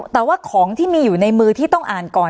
แต่ว่าของที่มีอยู่ในมือที่ต้องอ่านก่อน